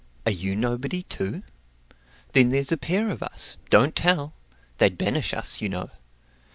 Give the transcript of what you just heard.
Are you nobody, too? Then there 's a pair of us—don't tell! They 'd banish us, you know.